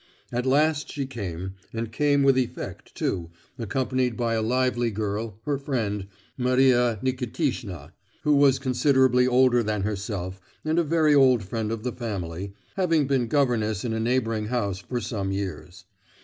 At last she came, and came with effect, too, accompanied by a lively girl, her friend—Maria Nikitishna—who was considerably older than herself and a very old friend of the family, having been governess in a neighbouring house for some years.